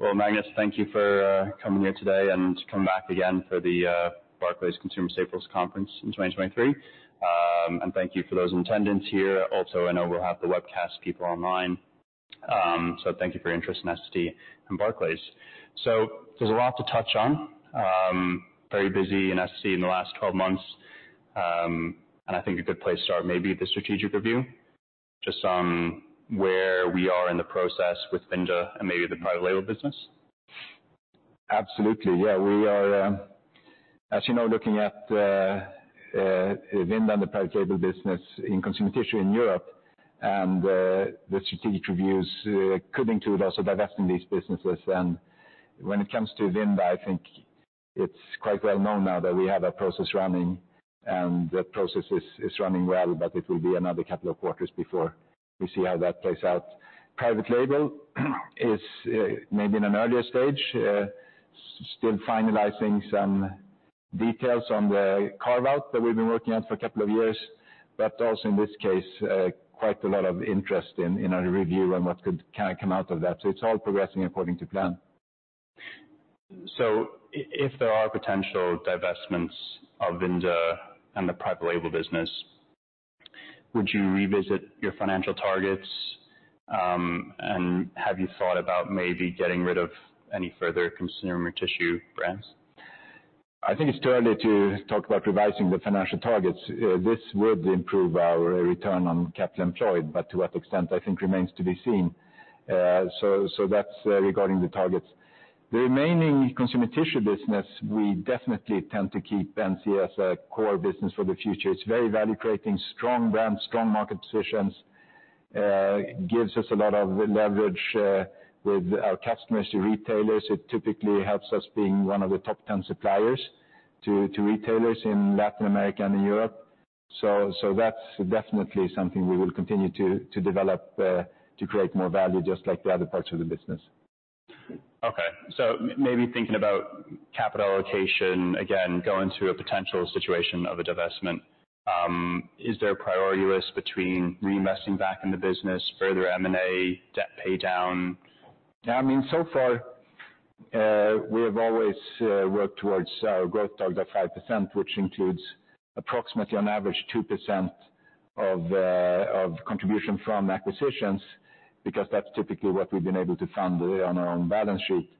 Well, Magnus, thank you for coming here today, and to come back again for the Barclays Consumer Staples Conference in 2023. Thank you for those in attendance here. Also, I know we'll have the webcast people online. Thank` you for your interest in Essity and Barclays. There's a lot to touch on. Very busy in Essity in the last 12 months, and I think a good place to start may be the strategic review, just on where we are in the process with Vinda and maybe the private label business. Absolutely. Yeah, we are, as you know, looking at Vinda and the private label business in consumer tissue in Europe, and the strategic reviews could include also divesting these businesses. When it comes to Vinda, I think it's quite well known now that we have a process running, and the process is running well, but it will be another couple of quarters before we see how that plays out. Private label is maybe in an earlier stage, still finalizing some details on the carve-out that we've been working on for a couple of years, but also, in this case, quite a lot of interest in a review and what could come out of that. It's all progressing according to plan. If there are potential divestments of Vinda and the private label business, would you revisit your financial targets? Have you thought about maybe getting rid of any further consumer tissue brands? I think it's too early to talk about revising the financial targets. This would improve our return on capital employed, but to what extent, I think, remains to be seen. That's regarding the targets. The remaining consumer tissue business, we definitely tend to keep NCS a core business for the future. It's very value-creating, strong brand, strong market positions, gives us a lot of leverage with our customers, the retailers. It typically helps us being one of the top 10 suppliers to retailers in Latin America and in Europe. That's definitely something we will continue to develop to create more value, just like the other parts of the business. Okay. So maybe thinking about capital allocation, again, going to a potential situation of a divestment, is there a priority risk between reinvesting back in the business, further M&A, debt paydown? Yeah, I mean, so far, we have always worked towards our growth target of 5%, which includes approximately, on average, 2% of contribution from acquisitions, because that's typically what we've been able to fund on our own balance sheet.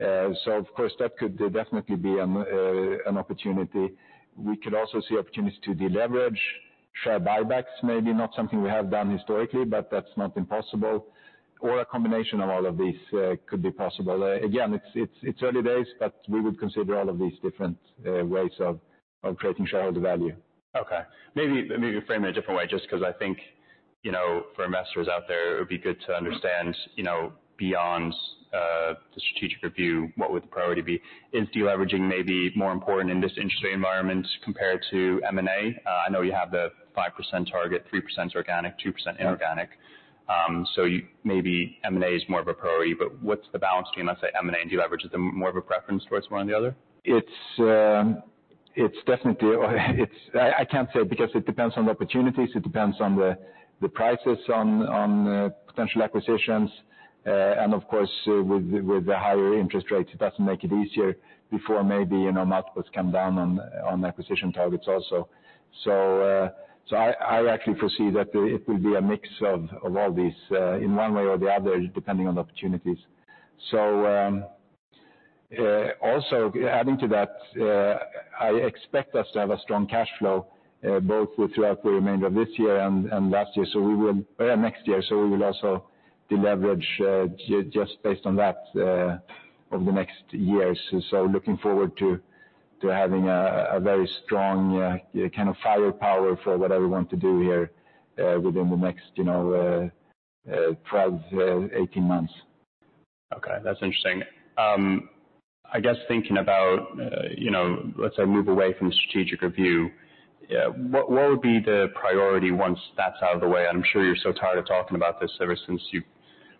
So of course, that could definitely be an opportunity. We could also see opportunities to deleverage, share buybacks, maybe not something we have done historically, but that's not impossible, or a combination of all of these could be possible. Again, it's early days, but we would consider all of these different ways of creating shareholder value. Okay. Maybe, maybe frame it a different way, just because I think, you know, for investors out there, it would be good to understand, you know, beyond the strategic review, what would the priority be? Is deleveraging maybe more important in this interest rate environment compared to M&A? I know you have the 5% target, 3% organic, 2% inorganic. So you—maybe M&A is more of a priority, but what's the balance between, let's say, M&A and deleverage? Is there more of a preference towards one or the other? It's definitely, or it's... I can't say because it depends on the opportunities, it depends on the prices on potential acquisitions. And of course, with the higher interest rates, it doesn't make it easier before maybe, you know, multiples come down on acquisition targets also. So, so I actually foresee that it will be a mix of all these in one way or the other, depending on the opportunities. So, also adding to that, I expect us to have a strong cash flow both throughout the remainder of this year and last year. So we will... Next year, so we will also deleverage just based on that over the next years. So looking forward to having a very strong kind of firepower for whatever we want to do here within the next, you know, 12-18 months. Okay, that's interesting. I guess thinking about, you know, let's say, move away from the strategic review, what would be the priority once that's out of the way? I'm sure you're so tired of talking about this ever since you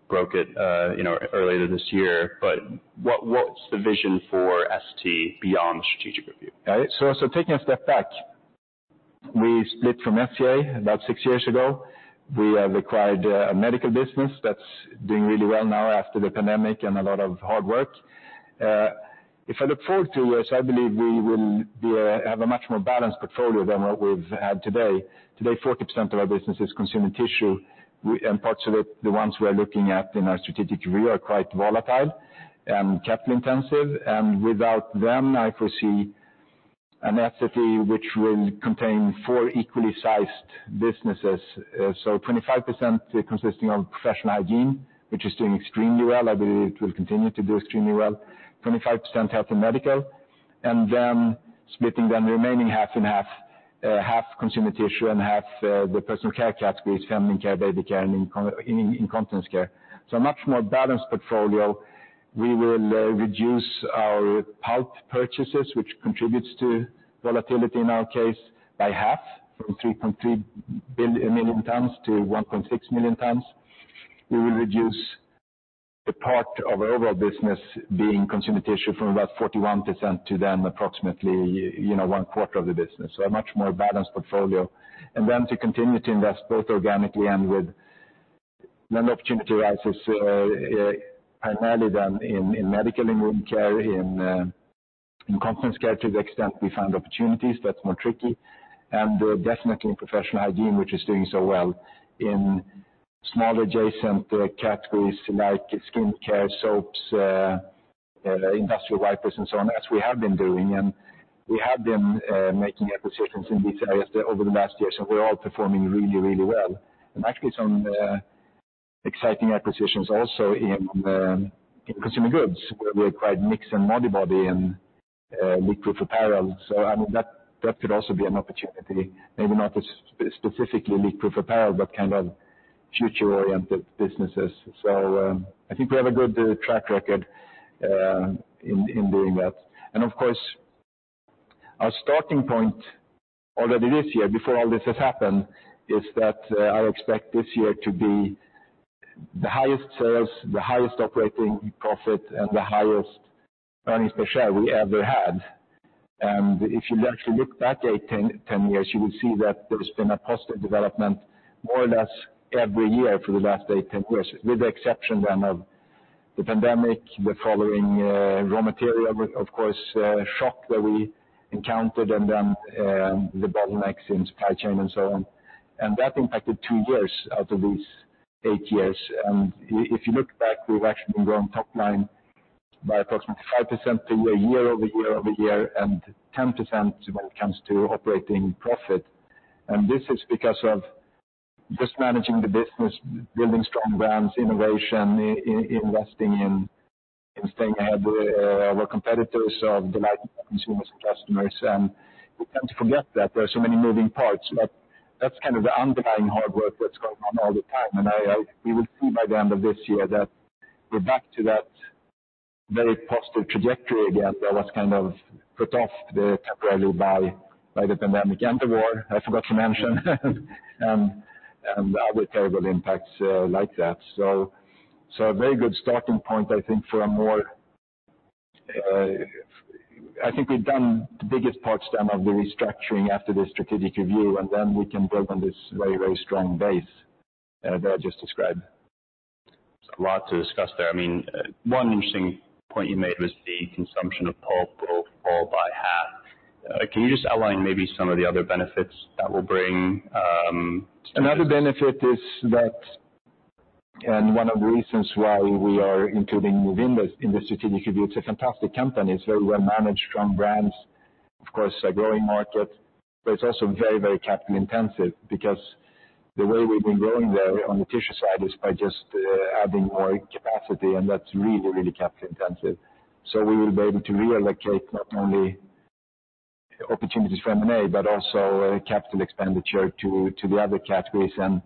broke it, you know, earlier this year. But what, what's the vision for Essity beyond the strategic review? So, taking a step back, we split from SCA about six years ago. We have acquired a medical business that's doing really well now after the pandemic and a lot of hard work. If I look forward two years, I believe we will be a, have a much more balanced portfolio than what we've had today. Today, 40% of our business is consumer tissue, we and parts of it, the ones we are looking at in our strategic review, are quite volatile and capital-intensive, and without them, I foresee an Essity which will contain 4 equally sized businesses. So 25% consisting of professional hygiene, which is doing extremely well. I believe it will continue to do extremely well. 25%, health and medical, and then splitting the remaining half and half, half consumer tissue and half, the personal care category is feminine care, baby care, and incontinence care. So a much more balanced portfolio. We will reduce our pulp purchases, which contributes to volatility in our case, by half, from 3.3 million tons to 1.6 million tons. We will reduce the part of our overall business being consumer tissue from about 41% to then approximately, you know, one quarter of the business. So a much more balanced portfolio and then to continue to invest both organically and with when the opportunity arises, primarily then in, in medical and wound care, in, Incontinence care, to the extent we find opportunities, that's more tricky. And definitely in professional hygiene, which is doing so well in small adjacent categories like skincare, soaps, industrial wipers, and so on, as we have been doing. And we have been making acquisitions in these areas over the last years, and we're all performing really, really well. And actually some exciting acquisitions also in consumer goods, where we acquired Knix and Modibodi and leakproof apparel. So, I mean, that, that could also be an opportunity. Maybe not specifically leakproof apparel, but kind of future-oriented businesses. So, I think we have a good track record in doing that. And of course, our starting point, already this year, before all this has happened, is that I expect this year to be the highest sales, the highest operating profit, and the highest earnings per share we ever had. If you actually look back eight, 10, 10 years, you will see that there's been a positive development, more or less every year for the last eight, 10 years, with the exception then of the pandemic, the following, raw material, of course, shock that we encountered, and then, the bottlenecks in supply chain and so on. That impacted two years out of these eight years. If you look back, we've actually been growing top line by approximately 5% a year, year over year over year, and 10% when it comes to operating profit. This is because of just managing the business, building strong brands, innovation, investing in, staying ahead with, our competitors, of delighting consumers and customers. And we tend to forget that there are so many moving parts, but that's kind of the underlying hard work that's going on all the time. And we will see by the end of this year that we're back to that very positive trajectory again, that was kind of put off temporarily by the pandemic and the war, I forgot to mention, and other terrible impacts like that. So a very good starting point, I think, for a more. I think we've done the biggest parts then of the restructuring after the strategic review, and then we can build on this very, very strong base that I just described. A lot to discuss there. I mean, one interesting point you made was the consumption of pulp will fall by half. Can you just outline maybe some of the other benefits that will bring? Another benefit is that, and one of the reasons why we are including Vinda in the strategic review, it's a fantastic company. It's very well managed, strong brands, of course, a growing market, but it's also very, very capital intensive, because the way we've been growing there on the tissue side is by just adding more capacity, and that's really, really capital intensive. So we will be able to reallocate not only opportunities for M&A, but also capital expenditure to the other categories and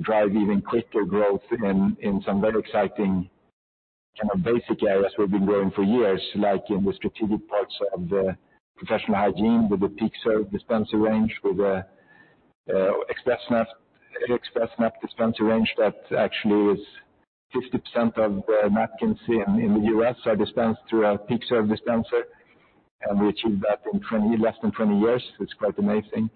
drive even quicker growth in some very exciting, kind of, basic areas we've been growing for years, like in the strategic parts of the professional hygiene, with the PeakServe dispenser range, with the Xpressnap dispenser range. That actually is 50% of the napkins in the U.S. are dispensed through our PeakServe dispenser, and we achieved that in 20 less than 20 years, which is quite amazing.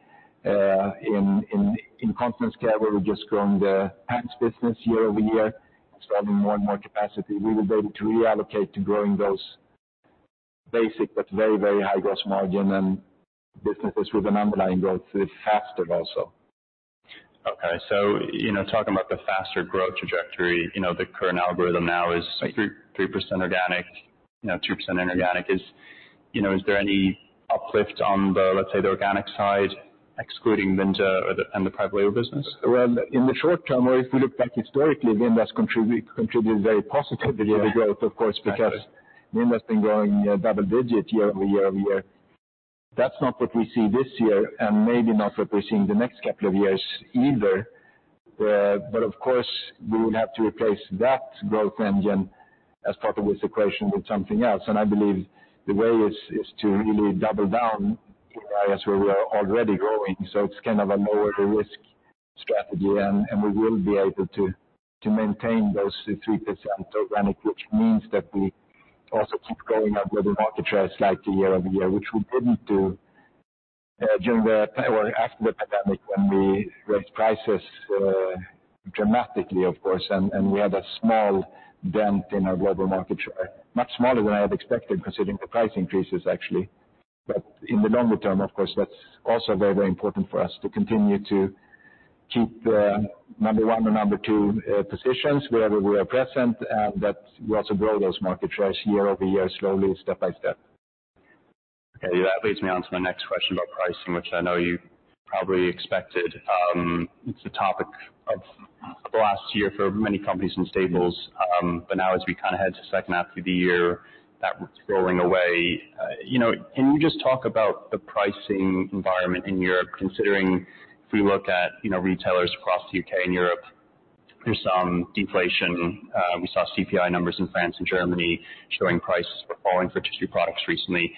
Incontinence care, where we're just growing the pants business year over year, installing more and more capacity. We will be able to reallocate to growing those basic but very, very high gross margin and businesses with an underlying growth rate, faster also. Okay, you know, talking about the faster growth trajectory, you know, the current algorithm now is 3.3% organic, you know, 2% inorganic. Is, you know, is there any uplift on the, let's say, the organic side, excluding Vinda or the, and the Private Label business? Well, in the short term, or if you look back historically, Vinda has contributed very positively to the growth, of course, because Vinda has been growing double-digit year-over-year. That's not what we see this year, and maybe not what we see in the next couple of years either. But of course, we will have to replace that growth engine as part of this equation with something else, and I believe the way is to really double down in areas where we are already growing. So it's kind of a lower risk strategy, and we will be able to maintain those 3% organic, which means that we also keep growing our global market share slightly year-over-year, which we didn't do during or after the pandemic, when we raised prices dramatically, of course. And we had a small dent in our global market share, much smaller than I had expected, considering the price increases, actually. But in the longer term, of course, that's also very, very important for us to continue to keep the number one or number two positions wherever we are present, and that we also grow those market shares year-over-year, slowly, step by step. Okay, that leads me on to my next question about pricing, which I know you probably expected. It's the topic of the last year for many companies in staples. But now as we kind of head to second half of the year, that's rolling away, you know, can you just talk about the pricing environment in Europe, considering if we look at, you know, retailers across the U.K. and Europe, there's some deflation. We saw CPI numbers in France and Germany showing prices were falling for tissue products recently.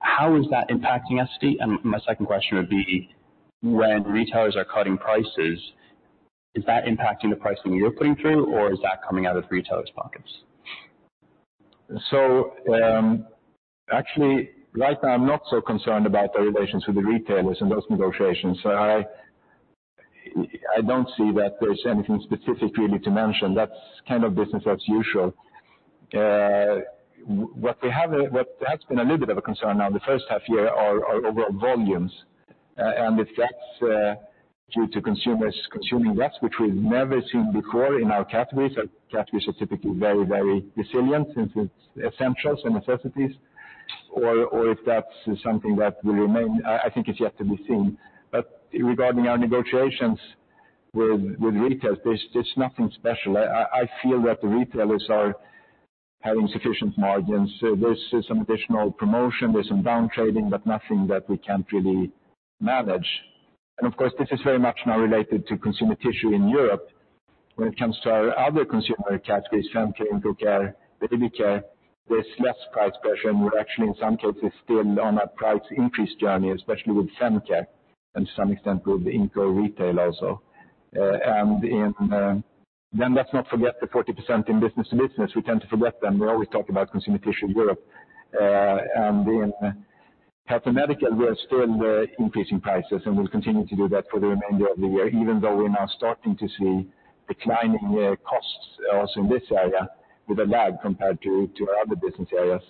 How is that impacting Essity? And my second question would be: When retailers are cutting prices, is that impacting the pricing you're putting through, or is that coming out of retailers' pockets? So, actually, right now I'm not so concerned about the relations with the retailers and those negotiations. I don't see that there's anything specific really to mention. That's kind of business as usual. What we have, what has been a little bit of a concern now, the first half year, are overall volumes, and if that's due to consumers consuming less, which we've never seen before in our categories. Our categories are typically very, very resilient, since it's essentials and necessities, or if that's something that will remain, I think it's yet to be seen. But regarding our negotiations with retailers, there's nothing special. I feel that the retailers are having sufficient margins, so there's some additional promotion, there's some down trading, but nothing that we can't really manage. And of course, this is very much now related to consumer tissue in Europe. When it comes to our other consumer categories, femcare, skincare, baby care, there's less price pressure, and we're actually, in some cases, still on a price increase journey, especially with femcare and to some extent with incontinence retail also. And in, then let's not forget the 40% in business to business, we tend to forget them. We always talk about consumer tissue Europe, and in health and medical, we are still increasing prices, and we'll continue to do that for the remainder of the year, even though we're now starting to see declining costs also in this area with a lag compared to our other business areas.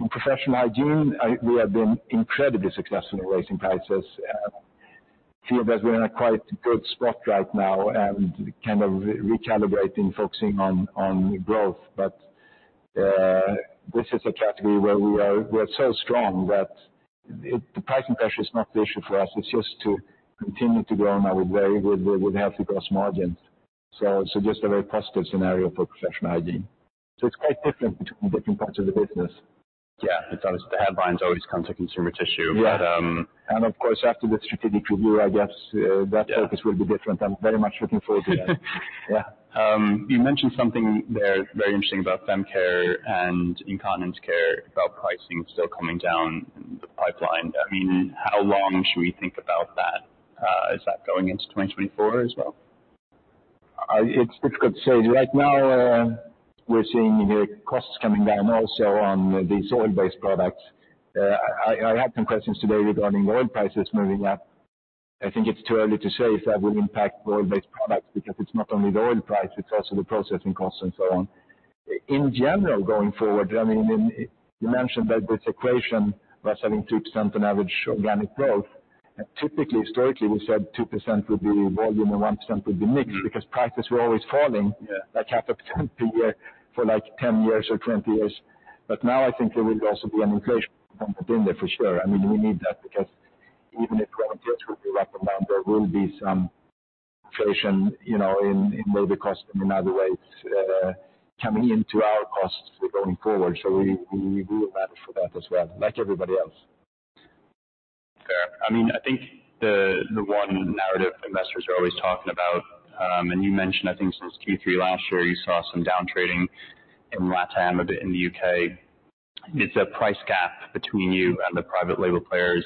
In professional hygiene, we have been incredibly successful in raising prices. We feel that we're in a quite good spot right now and kind of recalibrating, focusing on growth. But this is a category where we're so strong that the pricing pressure is not the issue for us. It's just to continue to grow in our way with healthy gross margins. So just a very positive scenario for professional hygiene. So it's quite different between different parts of the business. Yeah, it's always the headlines always come to consumer tissue. Yeah. But, um- And of course, after the strategic review, I guess, Yeah... that focus will be different. I'm very much looking forward to that. Yeah. You mentioned something there very interesting about femcare and incontinence care, about pricing still coming down the pipeline. I mean, how long should we think about that? Is that going into 2024 as well? It's difficult to say. Right now, we're seeing the costs coming down also on these oil-based products. I had some questions today regarding oil prices moving up. I think it's too early to say if that will impact oil-based products, because it's not only the oil price, it's also the processing cost and so on. In general, going forward, I mean, you mentioned that this equation was having 2% on average organic growth. Typically, historically, we said 2% would be volume and 1% would be mixed, because prices were always falling- Yeah. Like half of per year for, like, 10 years or 20 years. But now I think there will also be an inflation component in there for sure. I mean, we need that because even if raw materials will be up amount, there will be some inflation, you know, in labor cost and in other ways, coming into our costs going forward. So we will manage for that as well, like everybody else. Fair. I mean, I think the one narrative investors are always talking about, and you mentioned, I think since Q3 last year, you saw some down trading in LatAm, a bit in the U.K. It's a price gap between you and the private label players.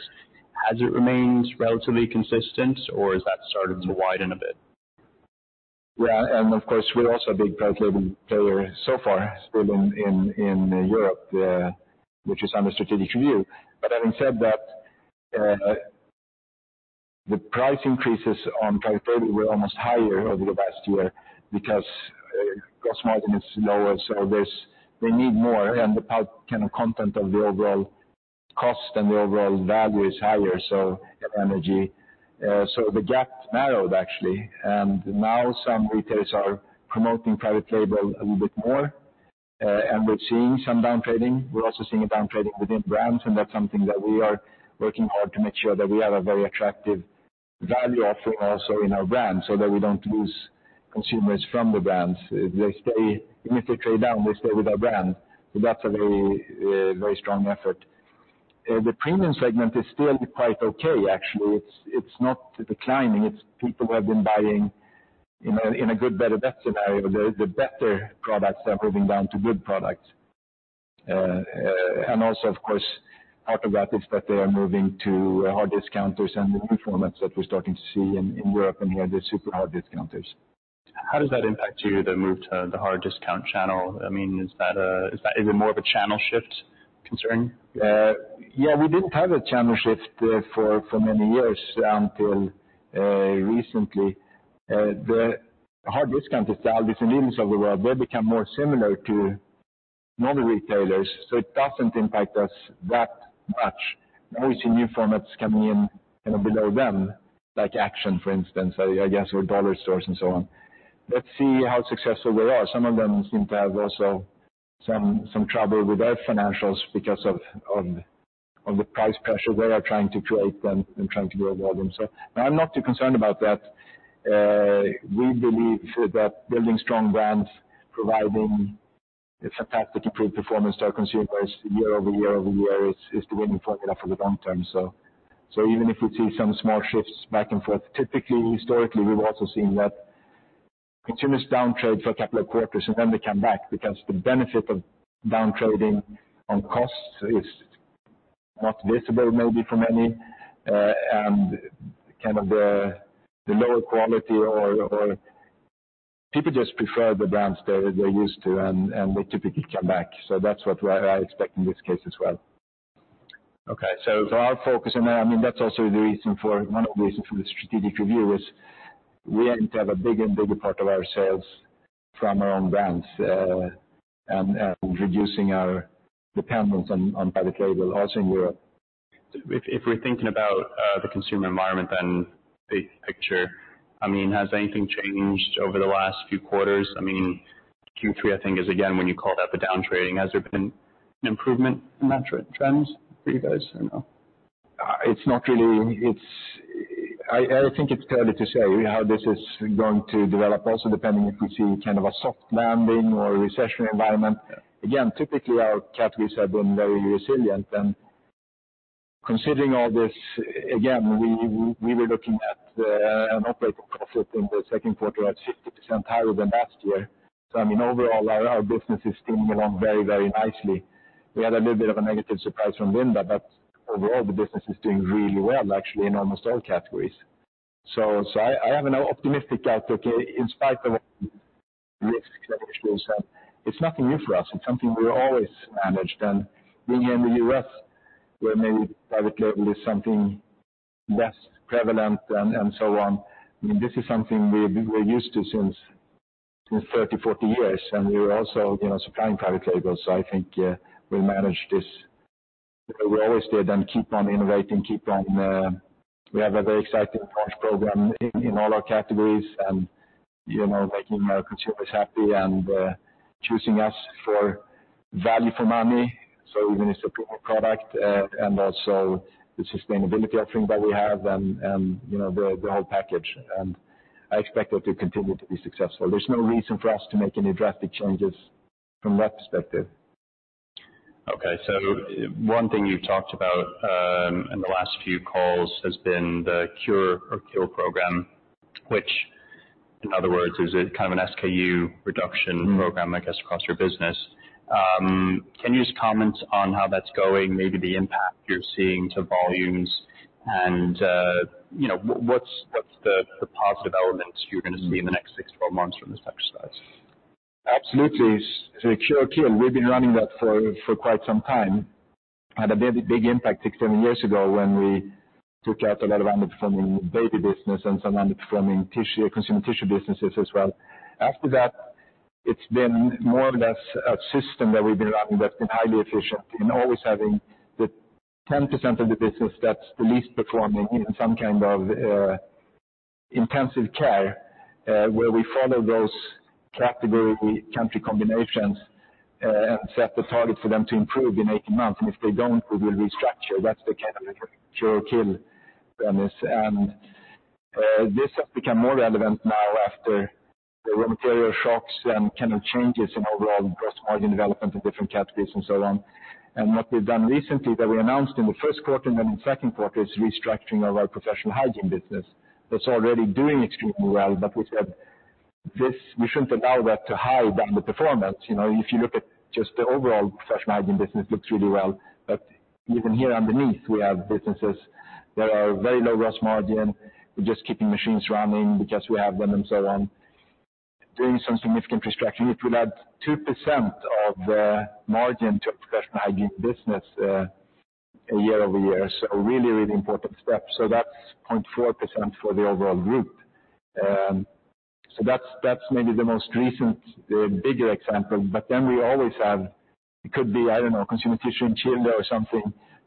Has it remained relatively consistent, or has that started to widen a bit? Yeah, and of course, we're also a big Private Label player so far, still in Europe, which is under strategic review. But having said that, the price increases on Private Label were almost higher over the last year because gross margin is lower, so they need more, and the kind of content of the overall cost and the overall value is higher, so energy. So the gap narrowed, actually, and now some retailers are promoting Private Label a little bit more, and we're seeing some down trading. We're also seeing a down trading within brands, and that's something that we are working hard to make sure that we have a very attractive value offering also in our brands, so that we don't lose consumers from the brands. If they stay, if they trade down, they stay with our brand. So that's a very, very strong effort. The premium segment is still quite okay, actually. It's not declining, it's people who have been buying in a good, better, best scenario. The better products are moving down to good products. And also, of course, demographics, that they are moving to hard discounters and the new formats that we're starting to see in Europe and here, the super hard discounters. How does that impact you, the move to the hard discount channel? I mean, is that, is that even more of a channel shift concern? Yeah, we didn't have a channel shift for many years until recently. The hard discounters, the ALDIs and Lidls of the world, they become more similar to normal retailers, so it doesn't impact us that much. Now, we see new formats coming in kind of below them, like Action, for instance, I guess, or dollar stores and so on. Let's see how successful they are. Some of them seem to have also some trouble with their financials because of the price pressure they are trying to create then, and trying to grow volume. So I'm not too concerned about that. We believe that building strong brands, providing a tactically proven performance to our consumers year over year over year, is the winning formula for the long term. So even if we see some small shifts back and forth, typically, historically, we've also seen that consumers down trade for a couple of quarters, and then they come back. Because the benefit of down trading on costs is not visible maybe for many, and kind of the lower quality or people just prefer the brands they're used to, and they typically come back. So that's what I expect in this case as well. Okay, so for our focus, and I mean, that's also the reason for one of the reasons for the strategic review is we aim to have a bigger and bigger part of our sales from our own brands, and reducing our dependence on Private Label also in Europe. If we're thinking about the consumer environment, then big picture, I mean, has anything changed over the last few quarters? I mean, Q3, I think, is again when you called out the downtrending. Has there been an improvement in that trend, trends for you guys? I know. It's not really. It's—I think it's fair to say how this is going to develop, also depending if we see kind of a soft landing or a recession environment. Again, typically, our categories have been very resilient, and considering all this, again, we were looking at an operating profit in the second quarter at 50% higher than last year. So I mean, overall, our business is doing along very, very nicely. We had a little bit of a negative surprise from Vinda, but overall, the business is doing really well, actually, in almost all categories. So I have an optimistic outlook in spite of risks that we saw. It's nothing new for us. It's something we've always managed, and being here in the U.S., where maybe Private Label is something less prevalent and, and so on, I mean, this is something we, we're used to since, since 30, 40 years, and we're also, you know, supplying Private Labels. So I think we'll manage this. We always did, and keep on innovating, keep on. We have a very exciting launch program in, in all our categories and, you know, making our consumers happy and choosing us for value, for money. So even it's a proper product, and also the sustainability offering that we have and, and, you know, the, the whole package, and I expect it to continue to be successful. There's no reason for us to make any drastic changes from that perspective. Okay, so one thing you've talked about in the last few calls has been the Cure or Kill program, which, in other words, is it kind of an SKU reduction program, I guess, across your business. Can you just comment on how that's going, maybe the impact you're seeing to volumes? And, you know, what's the positive elements you're going to see in the next six to 12 months from this exercise? Absolutely. So Cure or Kill, we've been running that for quite some time. Had a very big impact six to seven years ago when we took out a lot of underperforming baby business and some underperforming tissue, consumer tissue businesses as well. After that, it's been more or less a system that we've been running that's been highly efficient in always having the 10% of the business that's the least performing in some kind of intensive care, where we follow those category country combinations, and set the target for them to improve in 18 months. And if they don't, we will restructure. That's the kind of Cure or Kill premise. And this has become more relevant now after the raw material shocks and kind of changes in overall gross margin development in different categories and so on. What we've done recently that we announced in the first quarter and then the second quarter is restructuring of our professional hygiene business. That's already doing extremely well, but we said this, we shouldn't allow that to hide the underperformance. You know, if you look at just the overall professional hygiene business, looks really well, but even here underneath, we have businesses that are very low gross margin. We're just keeping machines running because we have them and so on, doing some significant restructuring. It will add 2% of the margin to professional hygiene business year-over-year. So a really, really important step. So that's 0.4% for the overall group. So that's, that's maybe the most recent, the bigger example. But then we always have, it could be, I don't know, consumer tissue in Chile or something,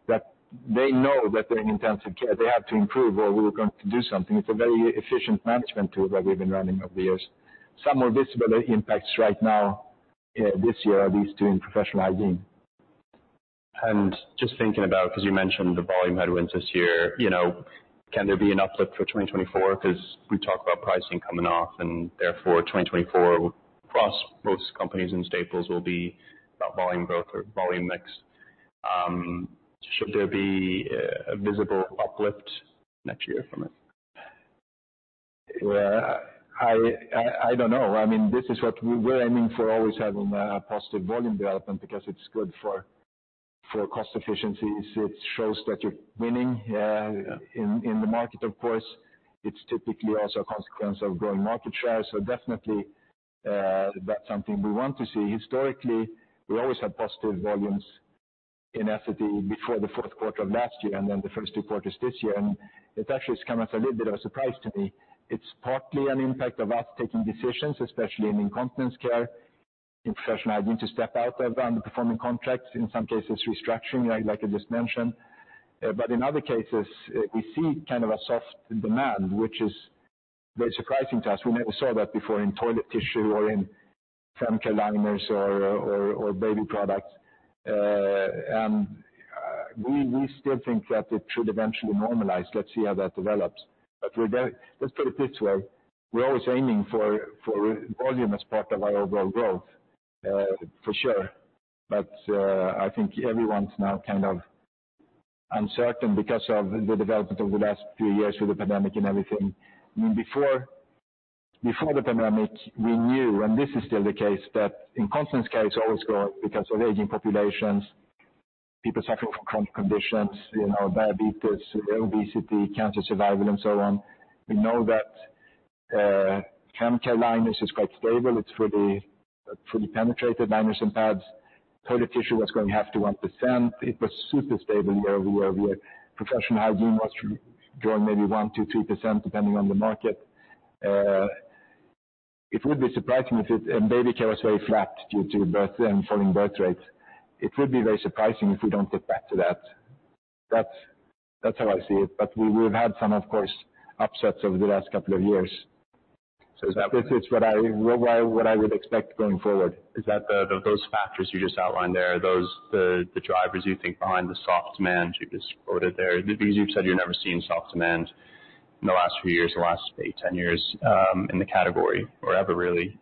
that they know that they're in intensive care, they have to improve, or we're going to do something. It's a very efficient management tool that we've been running over the years. Some more visible impacts right now, this year, are these two in professional hygiene. Just thinking about, because you mentioned the volume headwinds this year, you know, can there be an uplift for 2024? Because we talk about pricing coming off, and therefore, 2024 across most companies and staples will be about volume growth or volume mix. Should there be a visible uplift next year from it? Well, I don't know. I mean, this is what we're aiming for, always having a positive volume development, because it's good for cost efficiencies. It shows that you're winning in the market, of course. It's typically also a consequence of growing market share. So definitely, that's something we want to see. Historically, we always have positive volumes in Essity before the fourth quarter of last year and then the first two quarters this year, and it actually has come as a little bit of a surprise to me. It's partly an impact of us taking decisions, especially in incontinence care, in professional hygiene, to step out of underperforming contracts, in some cases, restructuring, like I just mentioned. But in other cases, we see kind of a soft demand, which is very surprising to us. We never saw that before in toilet tissue or in feminine line or baby products. We still think that it should eventually normalize. Let's see how that develops. But let's put it this way, we're always aiming for volume as part of our overall growth, for sure. But I think everyone's now kind of uncertain because of the development over the last few years with the pandemic and everything. I mean, before the pandemic, we knew, and this is still the case, that incontinence care is always growing because of aging populations, people suffering from chronic conditions, you know, diabetes, obesity, cancer survival, and so on. We know that feminine line is just quite stable. It's fully penetrated, diapers and pads. Toilet tissue was going 0.5%-1%. It was super stable year over year over year. Professional hygiene was growing maybe 1%-2%, depending on the market. It would be surprising if it and baby care was very flat due to birth and falling birth rates. It would be very surprising if we don't get back to that. That's, that's how I see it, but we, we've had some, of course, upsets over the last couple of years. So is that- It's what I would expect going forward. Is that those factors you just outlined there, are those the drivers you think behind the soft demand you just quoted there? Because you've said you've never seen soft demand in the last few years, the last eight, 10 years, in the category or ever, really.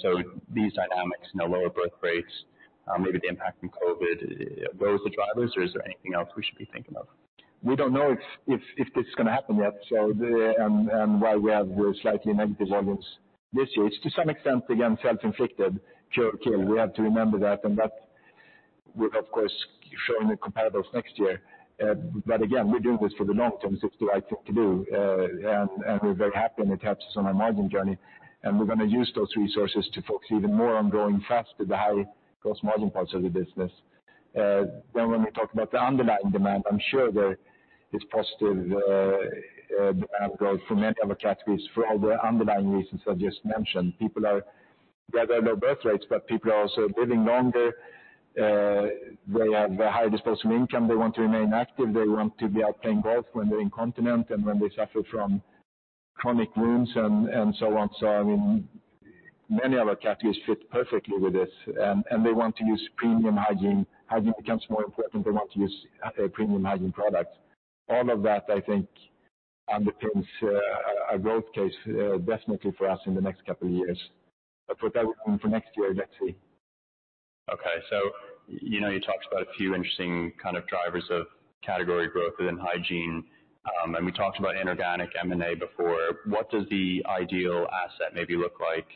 So these dynamics, you know, lower birth rates, maybe the impact from COVID, are those the drivers, or is there anything else we should be thinking of? We don't know if this is gonna happen yet, so the and why we have slightly negative volumes this year. It's to some extent, again, self-inflicted kill. We have to remember that, and that will, of course, show in the comparables next year. But again, we're doing this for the long term, it's the right thing to do, and we're very happy, and it helps us on our margin journey, and we're gonna use those resources to focus even more on growing faster, the high gross margin parts of the business. Then when we talk about the underlying demand, I'm sure there is positive growth for many of our categories, for all the underlying reasons I just mentioned. People are-- There are lower birth rates, but people are also living longer. They have a higher disposable income. They want to remain active. They want to be out playing golf when they're incontinent, and when they suffer from chronic wounds and, and so on. So I mean, many of our categories fit perfectly with this, and they want to use premium hygiene. Hygiene becomes more important. They want to use premium hygiene products. All of that I think underpins a growth case definitely for us in the next couple of years. But for next year, let's see. Okay. So, you know, you talked about a few interesting kind of drivers of category growth within hygiene, and we talked about inorganic M&A before. What does the ideal asset maybe look like?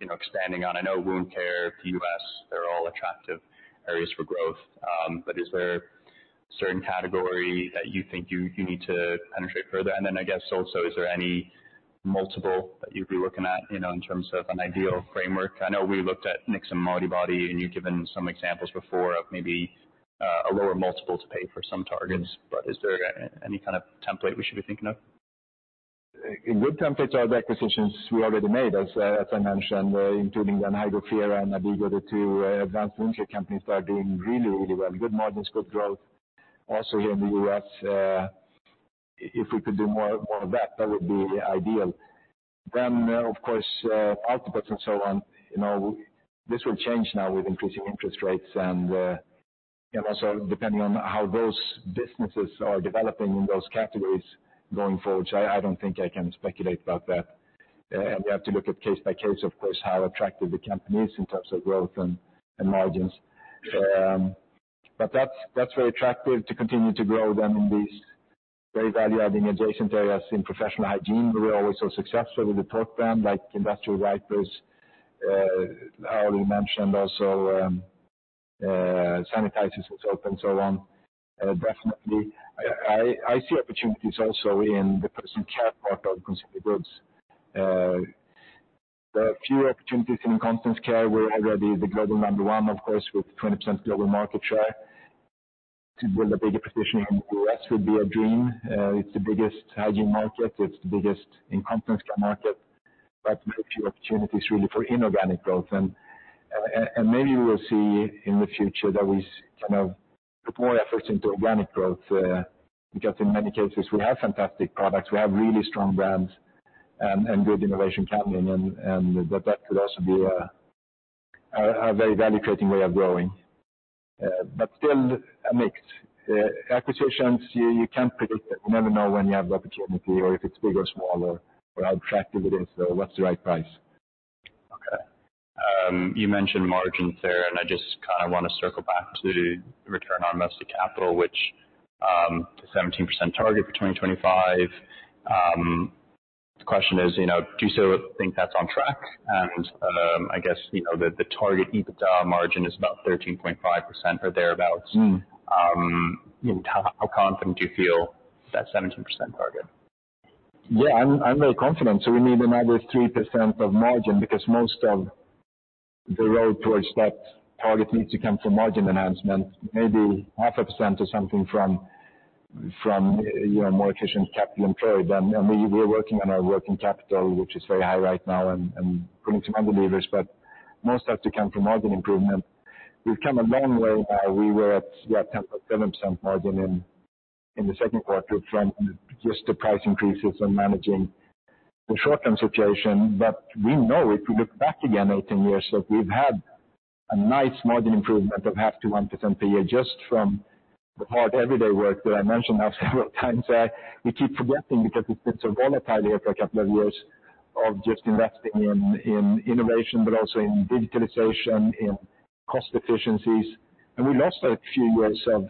You know, expanding on, I know, wound care, the U.S., they're all attractive areas for growth, but is there a certain category that you think you need to penetrate further? And then I guess also, is there any multiple that you'd be looking at, you know, in terms of an ideal framework? I know we looked at Knix and Modibodi, and you've given some examples before of maybe a lower multiple to pay for some targets, but is there any kind of template we should be thinking of? A good template is the acquisitions we already made, as I mentioned, including Hydrofera and Abigo, the two advanced wound care companies that are doing really, really well. Good margin, scope, growth, also here in the U.S. If we could do more of that, that would be ideal. Then, of course, outputs and so on, you know, this will change now with increasing interest rates and also depending on how those businesses are developing in those categories going forward, so I don't think I can speculate about that. And we have to look at case by case, of course, how attractive the company is in terms of growth and margins. But that's very attractive to continue to grow then in these very value-adding adjacent areas. In professional hygiene, we're always so successful with the program, like industrial wipers, I already mentioned also, sanitizers, soap, and so on. Definitely, I, I see opportunities also in the personal care part of consumer goods. There are a few opportunities in incontinence care, where we are the, the global number one, of course, with 20% global market share. To build a bigger position in the U.S. would be a dream. It's the biggest hygiene market, it's the biggest incontinence care market, but there are a few opportunities really for inorganic growth. Maybe we will see in the future that we kind of put more efforts into organic growth, because in many cases we have fantastic products, we have really strong brands and good innovation planning, but that could also be a very value-creating way of growing. But still a Knix. Acquisitions, you can't predict it. You never know when you have the opportunity or if it's big or small, or how attractive it is or what's the right price. Okay. You mentioned margins there, and I just kind of want to circle back to return on mostly capital, which, a 17% target for 2025. The question is, you know, do you still think that's on track? And, I guess, you know, the, the target EBITDA margin is about 13.5% or thereabouts. How confident do you feel with that 17% target? Yeah, I'm, I'm very confident. So we need another 3% of margin, because most of the road towards that target needs to come from margin enhancement, maybe 0.5% or something from, from, you know, more efficient capital employed than-- You know, we, we're working on our working capital, which is very high right now, and, and putting some other levers, but most of it come from margin improvement. We've come a long way now. We were at, yeah, 10% or 7% margin in, in the second quarter from just the price increases and managing the short-term situation. But we know, if we look back again 18 years, that we've had a nice margin improvement of 0.5%-1% per year, just from the hard everyday work that I mentioned now several times. We keep forgetting because it's been so volatile here for a couple of years of just investing in innovation, but also in digitalization, in cost efficiencies. And we lost a few years of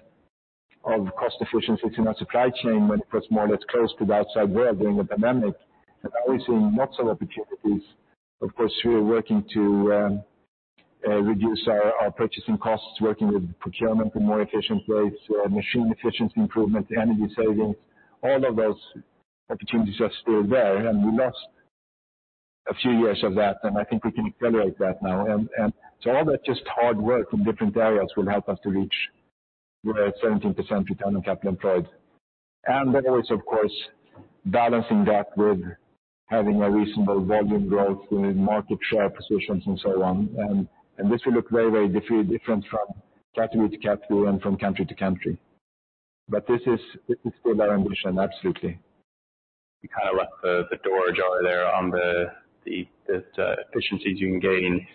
cost efficient fitting our supply chain when it was more or less closed to the outside world during the pandemic. And now we're seeing lots of opportunities. Of course, we are working to reduce our purchasing costs, working with procurement in more efficient ways, machine efficiency improvement, energy savings, all of those opportunities are still there, and we lost a few years of that, and I think we can accelerate that now. And so all that just hard work in different areas will help us to reach 17% return on capital employed. And then always, of course, balancing that with having a reasonable volume growth, we need market share positions and so on. And, and this will look very, very different, different from category to category and from country to country. But this is, this is still our ambition. Absolutely. You kind of left the door ajar there on the efficiencies you can gain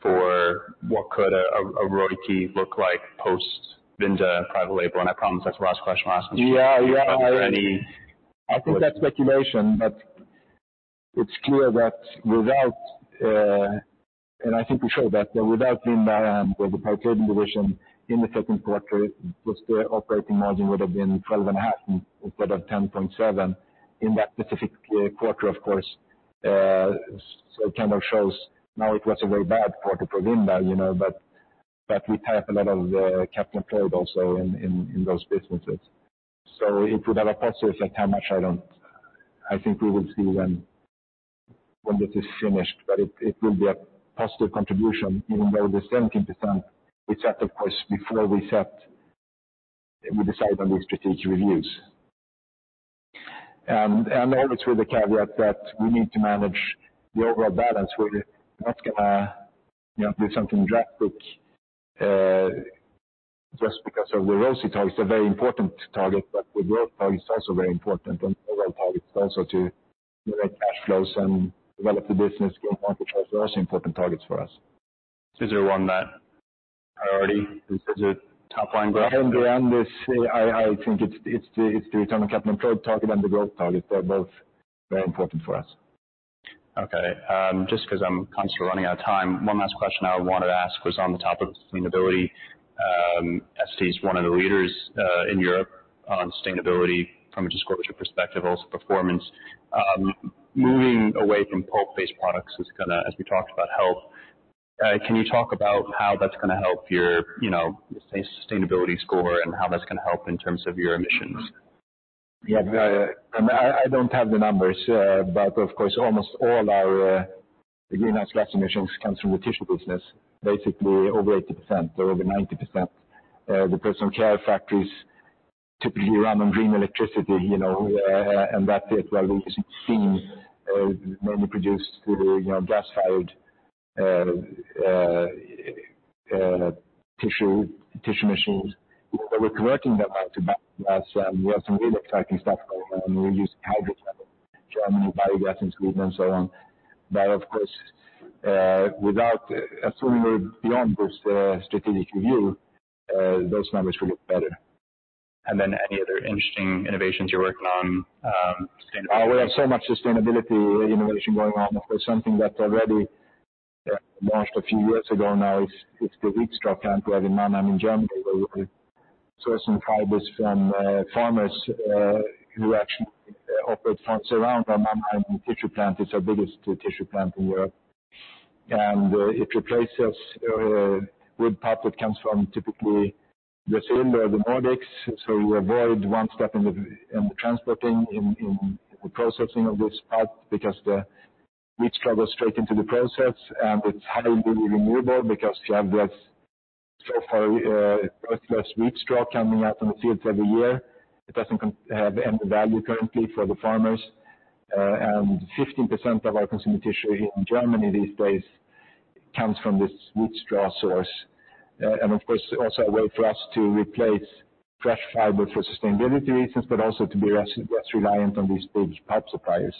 for what could a ROIC look like post Vinda and Private Label? And I promise that's the last question I'll ask you. Yeah, yeah. Any- I think that's speculation, but it's clear that without, and I think we showed that without Vinda, or the packaging division in the second quarter, which their operating margin would have been 12.5 instead of 10.7. In that specific quarter, of course, so it kind of shows now it was a very bad quarter for Vinda, you know, but we tied up a lot of, capital employed also in those businesses. So it would have a positive effect, how much, I don't-- I think we will see when this is finished, but it will be a positive contribution, even though the 17%, is that of course, before we set, we decide on these strategic reviews. And always with the caveat that we need to manage the overall balance, we're not gonna, you know, do something drastic, just because of the ROIC target. It's a very important target, but the growth target is also very important, and overall target is also to generate cash flows and develop the business, gain market share, are also important targets for us. Is there one that priority? Is it top line growth? In the end, I think it's the return on capital growth target and the growth target. They're both very important for us. Okay. Just because I'm conscious we're running out of time, one last question I wanted to ask was on the topic of sustainability. Essity is one of the leaders in Europe on sustainability from a disclosure perspective, also performance. Moving away from pulp-based products is gonna, as we talked about, health. Can you talk about how that's gonna help your, you know, say, sustainability score and how that's gonna help in terms of your emissions? Yeah. I don't have the numbers, but of course, almost all our greenhouse gas emissions comes from the tissue business, basically over 80% or over 90%. The personal care factories typically run on green electricity, you know, and that is where we use steam, mainly produced through, you know, gas-fired tissue machines. But we're converting them out to biogas, and we have some really exciting stuff going on. We use hydrogen level, Germany, biogas in Sweden and so on. But of course, without assuming beyond this strategic review, those numbers will get better. Then any other interesting innovations you're working on, sustain- We have so much sustainability innovation going on. Of course, something that already launched a few years ago now is, it's the wheat straw plant growth in Mannheim in Germany, where we source some fibers from, farmers, who actually operate around our Mannheim tissue plant. It's our biggest tissue plant in Europe. It replaces wood pulp that comes from typically the Finland or the Nordics. So we avoid one step in the transporting and processing of this pulp, because the wheat straw goes straight into the process, and it's highly renewable because you have this, so far, wheat straw coming out in the fields every year. It doesn't have any value currently for the farmers. And 15% of our consumer tissue in Germany these days comes from this wheat straw source. And of course, also a way for us to replace fresh fiber for sustainability reasons, but also to be less reliant on these big pulp suppliers.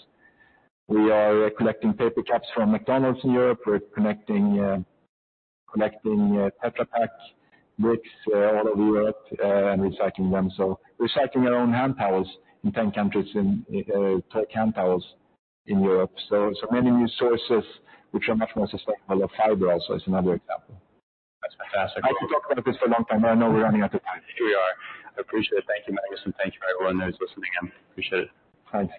We are collecting paper cups from McDonald's in Europe. We're collecting Tetra Pak bricks all over Europe and recycling them. So recycling our own hand towels in 10 countries in 10 towels in Europe. So many new sources, which are much more sustainable of fiber also is another example. That's fantastic. I can talk about this for a long time, but I know we're running out of time. We are. I appreciate it. Thank you, Magnus, and thank you for everyone who's listening in. Appreciate it. Thank you.